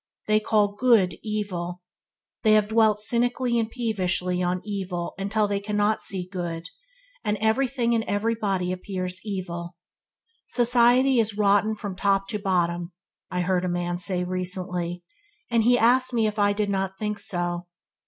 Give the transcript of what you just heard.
They call good, evil. They have dwelt cynically and peevishly on evil till they cannot see good, and everything and everybody appears evil. "Society is rotten from top to bottom", I heard a man say recently; and he asked me if I did not think so.